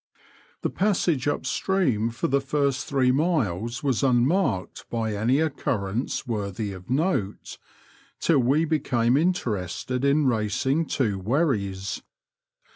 The passage up stream for the first three miles was un marked by any occurrence worthy of note till we became interested in racing two wherries.